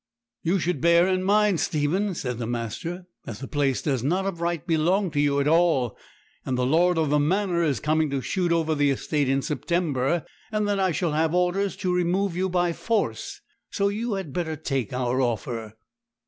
'You should bear in mind, Stephen,' said the master, 'that the place does not of right belong to you at all; and the lord of the manor is coming to shoot over the estate in September; and then I shall have orders to remove you by force. So you had better take our offer.'